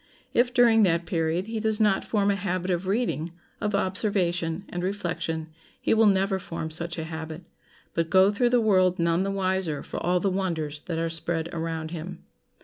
If during that period he does not form a habit of reading, of observation, and reflection, he will never form such a habit, but go through the world none the wiser for all the wonders that are spread around him.